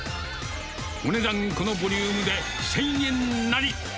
お値段、このボリュームで１０００円なり。